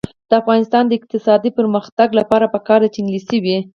د افغانستان د اقتصادي پرمختګ لپاره پکار ده چې انګلیسي وي.